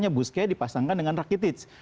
misalnya busquets dipasangkan dengan rakitic